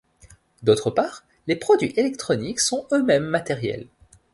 D'autre part, les produits électroniques sont eux-mêmes matériels.